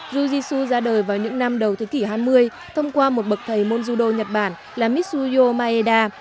jiu jitsu ra đời vào những năm đầu thế kỷ hai mươi thông qua một bậc thầy môn judo nhật bản là mitsuyo maeda